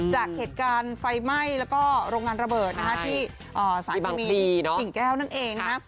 จากเหตุการณ์ไฟไหม้แล้วก็โรงงานระเบิดที่สายประเมินกิ่งแก้วนั่นเองนะ